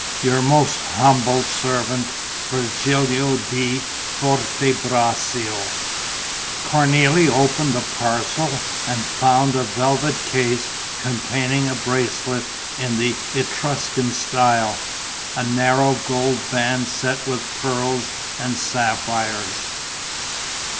"Your most humble servant, "Virgilio di F. B." Cornélie opened the parcel and found a velvet case containing a bracelet in the Etruscan style: a narrow gold band set with pearls and sapphires.